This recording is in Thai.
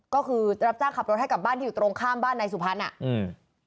ก็คือรับจ้างขับรถให้กับบ้านที่อยู่ตรงข้ามบ้านนายสุพรรณอ่ะอืม